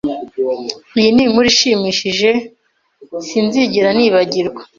Iyi ni inkuru ishimishije sinzigera nibagirwa